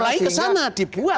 mulai ke sana dibuat